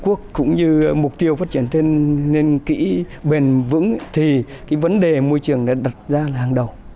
nhưng liên hợp quốc cũng như mục tiêu phát triển thêm nên kỹ bền vững thì cái vấn đề môi trường đã đặt ra là hàng đầu